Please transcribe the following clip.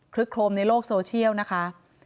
โครมในโลกโซเชียลนะคะ